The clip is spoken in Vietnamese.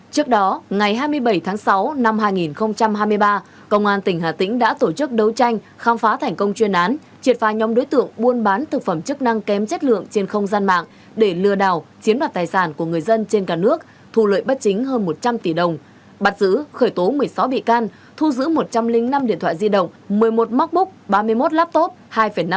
trước đó ngày hai mươi bảy tháng sáu năm hai nghìn hai mươi ba công an tỉnh hà tĩnh đã tổ chức đấu tranh khám phá thành công chuyên án triệt pha nhóm đối tượng buôn bán thực phẩm chức năng kém chất lượng trên không gian mạng để lừa đảo chiếm đoạt tài sản của người dân trên cả nước thu lợi bất chính hơn một trăm linh tỷ đồng bắt giữ khởi tố một mươi sáu bị can thu giữ một trăm linh năm điện thoại di động một mươi một móc búc ba mươi một laptop hai năm tấn sản phẩm chức năng